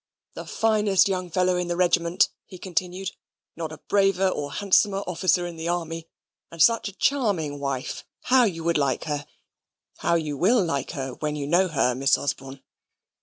"The finest young fellow in the regiment," he continued. "Not a braver or handsomer officer in the army; and such a charming wife! How you would like her! how you will like her when you know her, Miss Osborne."